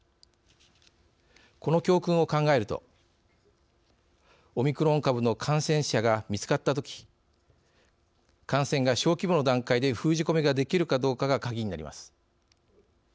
この教訓を考えるとオミクロン株の感染者が見つかったとき感染が小規模の段階で封じ込めができるかどうかがカギになります。